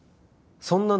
そんなん